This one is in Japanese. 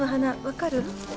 分かる？